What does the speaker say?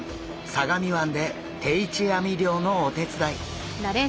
相模湾で定置網漁のお手伝い。